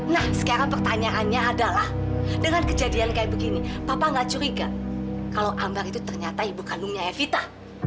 nah sekarang pertanyaannya adalah dengan kejadian kayak begini papa gak curiga kalau ambang itu ternyata ibu kandungnya evita